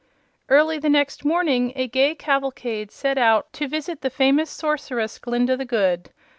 Early the following morning a gay cavalcade set out to visit the famous Sorceress, Glinda the Good.